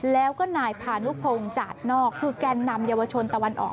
แล้วก็นายพานุพงศ์จาดนอกคือแกนนำเยาวชนตะวันออก